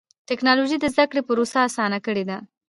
ټکنالوجي د زدهکړې پروسه اسانه کړې ده.